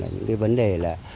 những cái vấn đề là